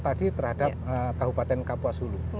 tadi terhadap kabupaten kapuasulu